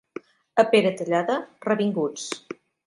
A Peratallada, revinguts.